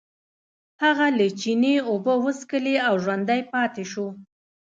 هغه له چینې اوبه وڅښلې او ژوندی پاتې شو.